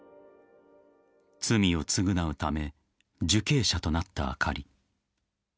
［罪を償うため受刑者となったあかり］